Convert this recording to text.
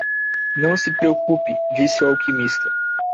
"Não se preocupe?", disse o alquimista.